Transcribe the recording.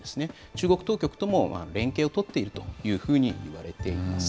中国当局とも連携を取っているというふうにいわれています。